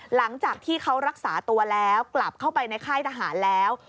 หลังจากที่เขารักษาตัวแล้วกลับเข้าไปในค่ายทหารแล้ว